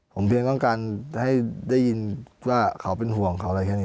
ผมเพียงต้องการให้ได้ยินว่าเขาเป็นห่วงเขาอะไรแค่นี้